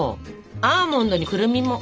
アーモンドにクルミも。